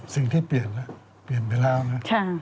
สิ่งที่เปลี่ยนแล้วเปลี่ยนไปแล้วนะ